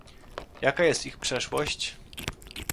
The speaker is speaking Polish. Jaka jest ich przeszłość?